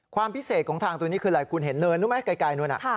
ความพิเศษของทางตัวนี้คืออะไรคุณเห็นเนินรู้ไหมไกลนู้น